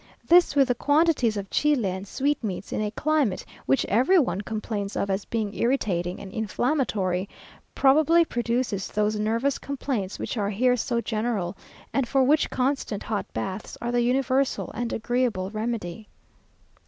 This, with the quantities of chile and sweetmeats, in a climate which every one complains of as being irritating and inflammatory, probably produces those nervous complaints which are here so general, and for which constant hot baths are the universal and agreeable remedy.